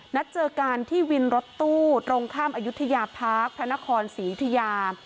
นัดเจอกันที่วินรถตู้ตรงข้ามอายุทยาพาร์คพระนครศรียุธยา